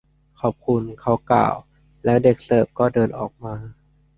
ขอบคุณ เขากล่าว แล้วเด็กเสิร์ฟก็เดินออกมา